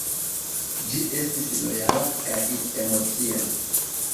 Ĝi estis lojala kai emocia.